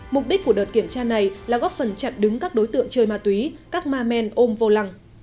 mục đích của đợt kiểm tra này là góp phần chặn đứng các đối tượng chơi ma túy các ma men ôm vô lăng